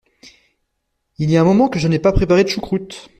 Il y a un moment que je n'ai pas préparé de choucroute.